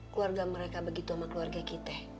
keluarga mereka begitu sama keluarga kita